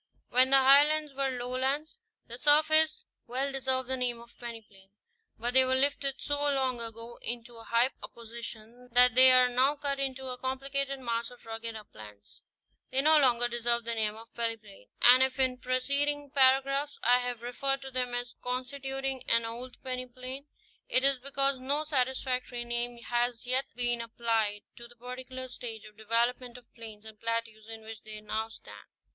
When the Highlands were lowlands, their surface well deserved the name of peneplain ; but they were lifted so long ago into so high a position that they are now cut into a complicated mass of rugged uplands. They no longer deserve the name of peneplain ; and if in preceding para graphs I have referred to them as constituting an old peneplain, it is because no satisfactory name has yet been applied to the par ticular stage of development of plains and plateaus in which they now stand.